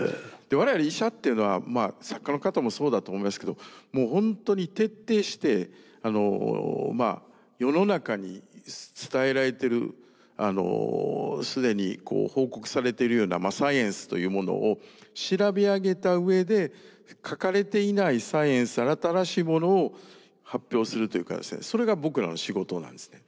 我々医者っていうのは作家の方もそうだと思いますけどもうほんとに徹底して世の中に伝えられてる既に報告されているようなサイエンスというものを調べ上げた上で書かれていないサイエンス新しいものを発表するというかそれが僕らの仕事なんですね。